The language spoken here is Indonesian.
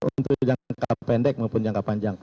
untuk jangka pendek maupun jangka panjang